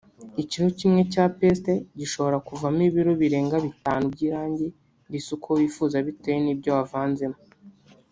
Ikiro kimwe cya Paste gishobora kuvamo ibiro birenga bitanu by’irangi risa uko wifuza bitewe n’ibyo wavanzemo